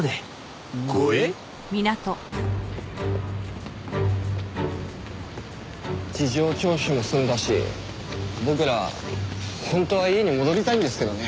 護衛？事情聴取も済んだし僕ら本当は家に戻りたいんですけどね。